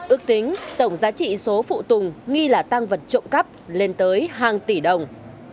ước tính tổng giá trị số phụ tùng nghi là tăng vật trộm cắp lên tới hàng tỷ đồng